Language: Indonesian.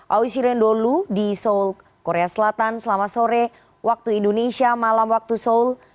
owisi rendolu di seoul korea selatan selamat sore waktu indonesia malam waktu seoul